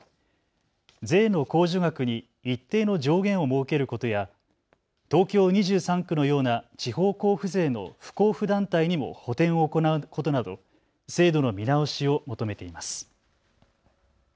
税の控除額に一定の上限を設けることや東京２３区のような地方交付税の不交付団体にも補填を行うことなど制度の見直しを求めています。